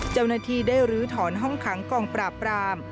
เจ้าหน้าที่ได้ลื้อถอนห้องขังกองปราบราม